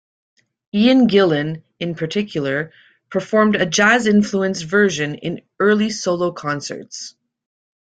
Ian Gillan in particular performed a jazz-influenced version in early solo concerts.